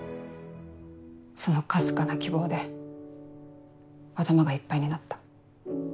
そのかすかな希望で頭がいっぱいになった。